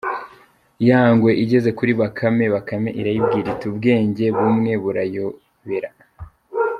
Ya ngwe igeze kuri Bakame, Bakame irayibwira iti « ubwenge bw’umwe burayobera.